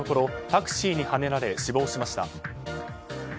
タクシーにはねられ死亡しました。